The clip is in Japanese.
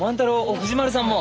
藤丸さんも！